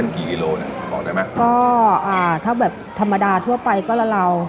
ก็ถ้าแบบธรรมดาทั่วไปก็ละเรา